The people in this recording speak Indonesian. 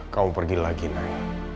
kamu pergi lagi naik